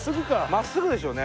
真っすぐでしょうね。